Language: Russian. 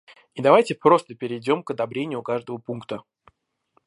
И давайте просто перейдем к одобрению каждого пункта.